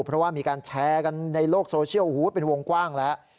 เพราะว่ามีการแชร์กันในโลกโซเชียลเป็นวงกว้างแล้ว